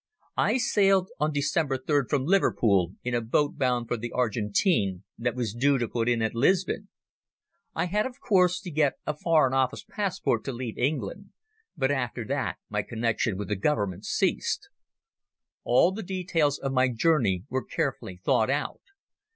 I sailed on December 3rd from Liverpool in a boat bound for the Argentine that was due to put in at Lisbon. I had of course to get a Foreign Office passport to leave England, but after that my connection with the Government ceased. All the details of my journey were carefully thought out.